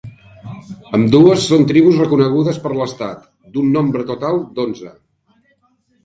Ambdues són tribus reconegudes per l'estat; d'un nombre total d'onze.